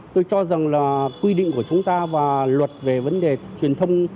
tôi cho rằng là quy định của chúng ta và luật về vấn đề truyền thông